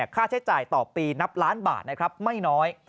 ค่าใช้จ่ายต่อปีนับล้านบาทนะครับไม่น้อย